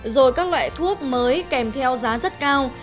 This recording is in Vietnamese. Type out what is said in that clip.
rồi các loại thuốc mới kèm theo giá rất cao